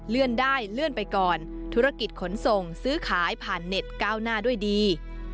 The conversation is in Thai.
ได้เลื่อนไปก่อนธุรกิจขนส่งซื้อขายผ่านเน็ตก้าวหน้าด้วยดี